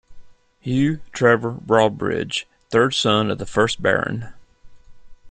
Hugh Trevor Broadbridge, third son of the first Baron.